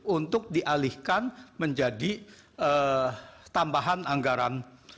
untuk dialihkan menjadi tambahan anggaran